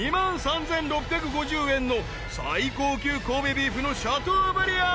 ［１００ｇ２万３，６５０円の最高級神戸ビーフのシャトーブリアン］